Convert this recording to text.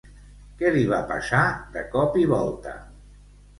Què li va passar de cop i volta?